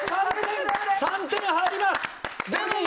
３点入ります！